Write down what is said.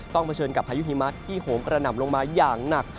เผชิญกับพายุหิมะที่โหมกระหน่ำลงมาอย่างหนัก